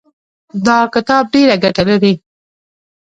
دا کتاب ډېره ګټه لري.